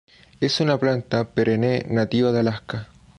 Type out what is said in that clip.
Es una planta perenne nativa de Alaska.